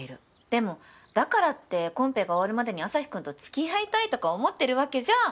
でもだからってコンペが終わるまでにアサヒくんと付き合いたいとか思ってるわけじゃ。